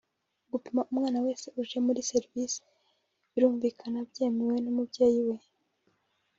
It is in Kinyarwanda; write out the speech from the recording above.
Gupima umwana wese uje muri servisi (birumvikana byemewe n’umubyeyi we)